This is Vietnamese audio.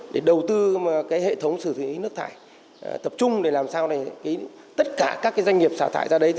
để đầu tư hệ thống xử lý nước thải tập trung để làm sao để tất cả các doanh nghiệp xả thải ra đấy